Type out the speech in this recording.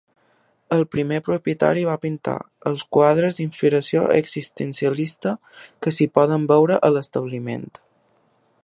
El primer propietari va pintar els quadres d'inspiració existencialista que s'hi poden veure a l'establiment.